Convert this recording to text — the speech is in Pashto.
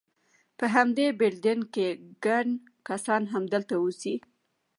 په همدې بلډینګ کې، ګڼ کسان همدلته اوسي.